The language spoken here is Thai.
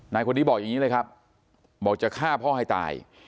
นายคนนี้บอกอย่างนี้เลยครับบอกจะฆ่าพ่อให้ตาย